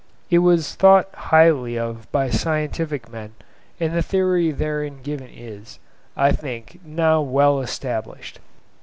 It was thought highly of by scientific men, and the theory therein given is, I think, now well established.